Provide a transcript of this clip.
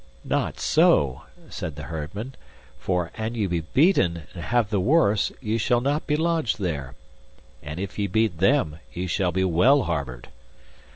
Not so, said the herdmen, for an ye be beaten and have the worse ye shall not be lodged there, and if ye beat them ye shall be well harboured.